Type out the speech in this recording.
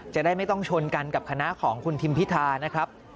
จะได้ไม่ต้องชนกันกับคณะของคุณทิมพิธานะครับ